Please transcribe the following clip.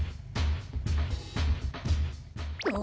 あ？